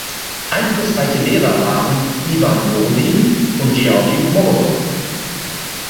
Einflussreiche Lehrer waren Iwan Borodin und Georgi Morosow.